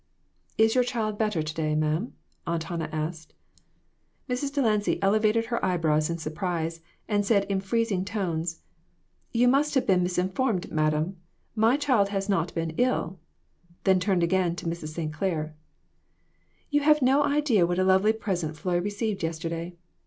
" Is your child better to day, ma'am ?" Aunt Hannah asked. Mrs. Delancy elevated her eyebrows in surprise, and said in freezing tones "You must have been misinformed, madame ; my child has not been ill," then turned again to Mrs. St. Clair " You have no idea what a lovely present Floy received yesterday.